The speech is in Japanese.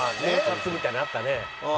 妄撮みたいなのあったね。